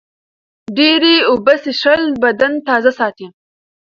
ډېرې اوبه څښل بدن تازه ساتي.